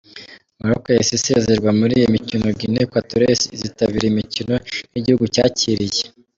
Maroc yahise isezererwa muri iyi mikino, Guinea Equatorial izitabira iyi mikino nk’igihugu cyakiriye.